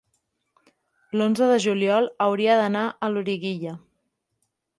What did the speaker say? L'onze de juliol hauria d'anar a Loriguilla.